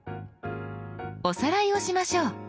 おさらいをしましょう。